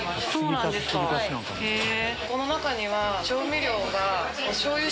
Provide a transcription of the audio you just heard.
この中には調味料が。